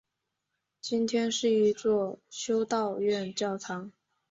今天是一座修道院教堂。